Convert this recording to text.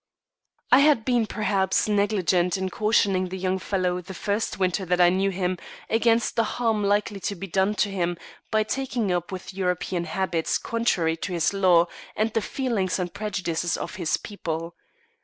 I had been, perhaps, negligent in cautioning the young fellow the first winter that I knew him against the harm likely to be done him by taking up with European habits contrary to his law and the feelings and prejudices of his people.